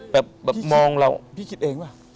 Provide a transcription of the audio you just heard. พี่พี่คิดเองวะ